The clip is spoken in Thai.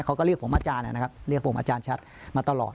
เขาก็เรียกผมอาจารย์นะครับเรียกผมอาจารย์ชัดมาตลอด